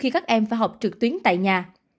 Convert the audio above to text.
các em phải học trực tuyến tại nhà